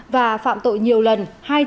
và phạm tội nhiều lần